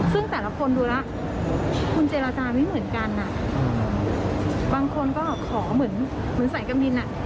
ซึ่งแต่ละคนดูแล้วคุณเจรจาไม่เหมือนกันอ่ะบางคนก็ขอเหมือนเหมือนสายการบินอ่ะ